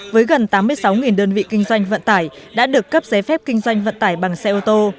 với gần tám mươi sáu đơn vị kinh doanh vận tải đã được cấp giấy phép kinh doanh vận tải bằng xe ô tô